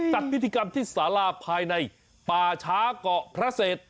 จัดพิธีกรรมที่สาราภายในป่าช้าเกาะพระเศษ